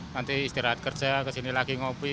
nanti istirahat kerja kesini lagi ngopi